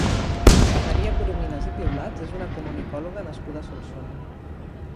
Maria Corominas i Piulats és una comunicòloga nascuda a Solsona.